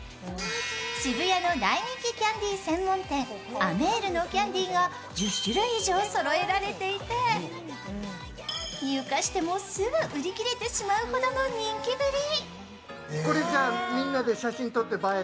渋谷の大人気キャンディ専門店ＡＭＥＲのキャンディが１０種類以上そろえられていて、入荷してもすぐ売り切れてしまうほどの人気ぶり。